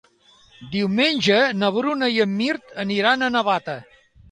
Diumenge na Bruna i en Mirt aniran a Navata.